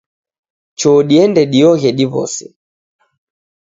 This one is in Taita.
Choo dIende dioghe diw'ose